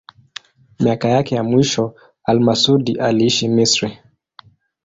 Miaka yake ya mwisho al-Masudi aliishi Misri.